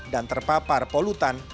dan terpapar polutan